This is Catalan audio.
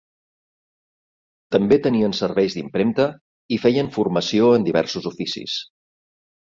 També tenien serveis d'impremta i feien formació en diversos oficis.